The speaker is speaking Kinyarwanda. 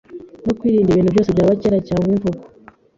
no kwirinda ibintu byose bya kera cyangwa imvugo